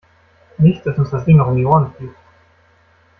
Nicht, dass uns das Ding noch um die Ohren fliegt.